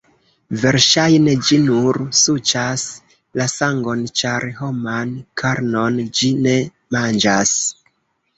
Verŝajne ĝi nur suĉas la sangon, ĉar homan karnon ĝi ne manĝas.